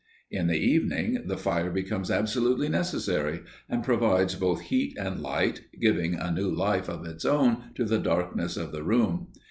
In the evening the fire becomes absolutely necessary, and provides both heat and light, giving a new life of its own to the darkness of the room.